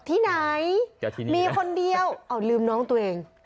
ที่ไหนมีคนเดียวเอาลืมน้องตัวเอง